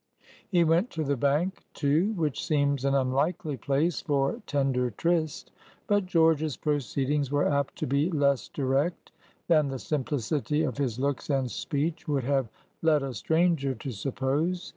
He went to the bank, too, which seems an unlikely place for tender tryst; but George's proceedings were apt to be less direct than the simplicity of his looks and speech would have led a stranger to suppose.